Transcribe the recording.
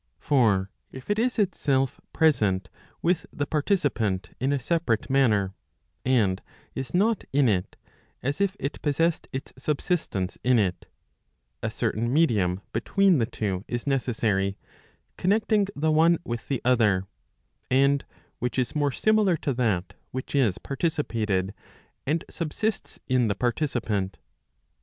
For if it is itself present with the participant in a separate manner, and is not in it, as if it possessed its subsistence in it, a certain medium between the two is necessary* connecting the one with the other, an4 which is more similar to that which is participated, and subsists in the participant.